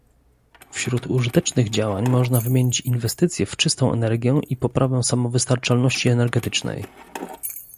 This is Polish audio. Wśród użytecznych działań można wymienić inwestycje w czystą energię i poprawę samowystarczalności energetycznej